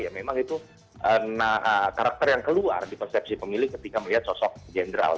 ya memang itu karakter yang keluar di persepsi pemilih ketika melihat sosok jenderal